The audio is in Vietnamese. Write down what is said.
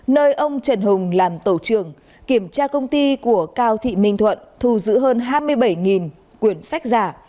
nơi ông trần hùng làm tổ trưởng kiểm tra công ty của cao thị minh thuận thu giữ hơn hai mươi bảy quyển sách giả